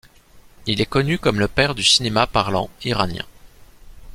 Il est connu comme le père du cinéma parlant iranien.